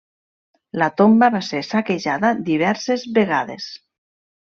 La tomba va ser saquejada diverses vegades.